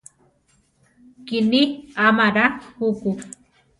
Kíni amará juku.